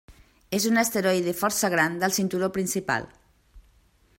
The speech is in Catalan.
És un asteroide força gran del cinturó principal.